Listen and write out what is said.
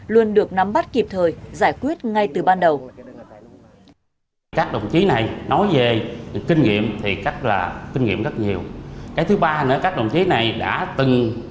luôn được nắm bắt kịp thời giải quyết ngay từ ban đầu